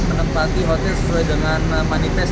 menempati hotel sesuai dengan manifest